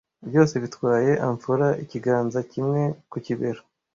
byose bitwaye amphora ikiganza kimwe ku kibero